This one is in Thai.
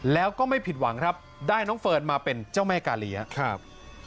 แล้วก็ไม่ผิดหวังครับได้น้องเฟิร์นมาเป็นเจ้าแม่กาลีครับ